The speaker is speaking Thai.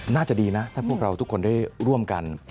น่าจะดีนะถ้าพวกเราทุกคนได้ร่วมกัน